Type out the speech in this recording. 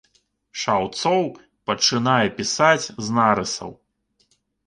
Шаўцоў пачынае пісаць з нарысаў.